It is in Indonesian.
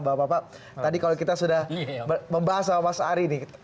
bapak bapak tadi kalau kita sudah membahas sama mas ari nih